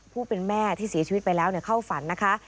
ผู้เป็นแม่ที่เสียชีวิตไปแล้วเข้าฝันนะคะ